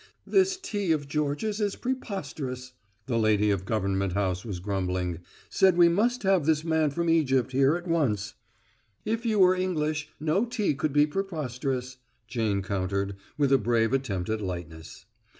"This tea of George's is preposterous," the lady of Government House was grumbling. "Said we must have this man from Egypt here at once." "If you were English, no tea could be preposterous," Jane countered, with a brave attempt at lightness.